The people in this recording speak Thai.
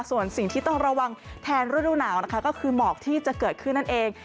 ส่วนสิ่งที่ต้องระวังแทนฤดูหนาวนะคะก็คือหมอกที่จะเกิดขึ้นนั่นเอง